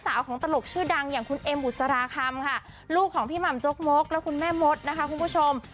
สาวของตลกชื่อดังอย่างคุณเอ็มบุษราคำค่ะลูกของพี่หม่ำจกมกและคุณแม่มดนะคะคุณผู้ชม